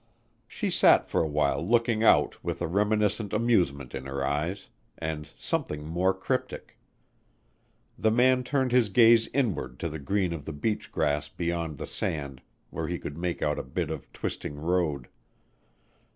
She sat for a while looking out with a reminiscent amusement in her eyes and something more cryptic. The man turned his gaze inward to the green of the beach grass beyond the sand where he could make out a bit of twisting road.